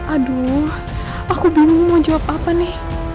aduh aku bingung mau jawab apa nih